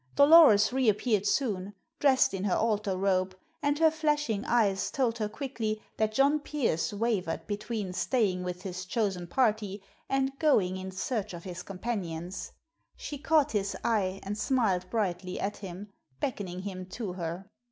Dolores reappeared soon, dressed in her altar robe, and her flashing eyes told her quickly that John Pearse wavered between staying with his chosen party and going in search of his companions. She caught his eye, and smiled brightly at him, beckoning him to her.